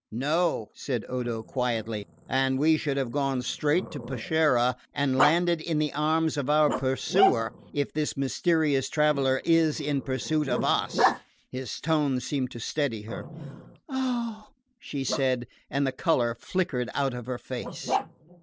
"No," said Odo quietly, "and we should have gone straight to Peschiera and landed in the arms of our pursuer if this mysterious traveller is in pursuit of us." His tone seemed to steady her. "Oh," she said, and the colour flickered out of her face.